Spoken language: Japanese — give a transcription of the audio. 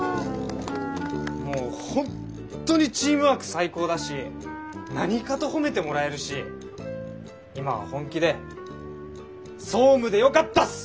もう本当にチームワーク最高だし何かと褒めてもらえるし今は本気で総務でよかったっす！